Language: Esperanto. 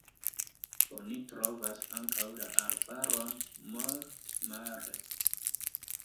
Oni trovas ankaŭ la arbaron Mort-Mare.